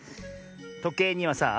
とけいにはさあ